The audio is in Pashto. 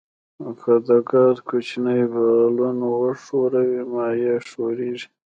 که د ګاز کوچنی بالون وښوروئ مایع ښوریږي.